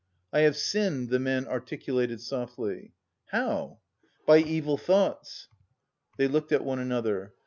"I have sinned," the man articulated softly. "How?" "By evil thoughts." They looked at one another.